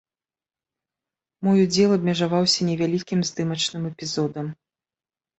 Мой удзел абмежаваўся невялікім здымачным эпізодам.